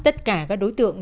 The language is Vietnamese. tất cả các đối tượng